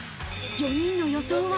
４人の予想は？